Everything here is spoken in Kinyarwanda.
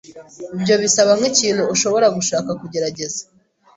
Ibyo bisa nkikintu ushobora gushaka kugerageza?